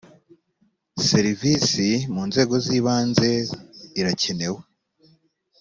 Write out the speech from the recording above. serivisi munzego zibanze irakenewe.